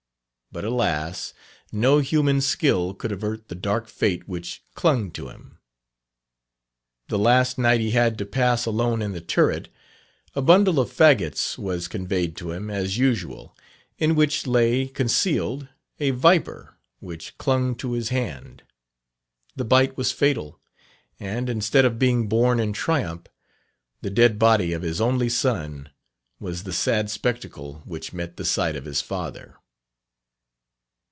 But, alas! no human skill could avert the dark fate which clung to him. The last night he had to pass alone in the turret, a bundle of faggots was conveyed to him as usual, in which lay concealed a viper, which clung to his hand. The bite was fatal; and, instead of being borne in triumph, the dead body of his only son was the sad spectacle which met the sight of his father."